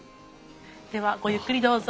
ではごゆっくりどうぞ。